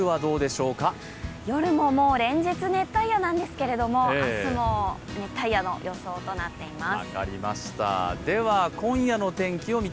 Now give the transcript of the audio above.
夜も連日、熱帯夜なんですけれども明日も熱帯夜の予想となっています。